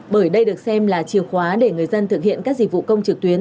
bởi đây được xem là chìa khóa để người dân thực hiện các dịch vụ công trực tuyến